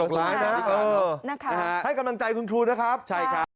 ร้ายนะเออนะคะให้กำลังใจคุณครูนะครับใช่ครับ